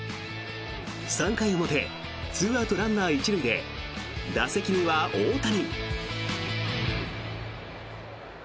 ３回表２アウト、ランナー１塁で打席には大谷。